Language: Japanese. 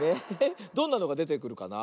どんなのがでてくるかな？